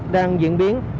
đang diễn biến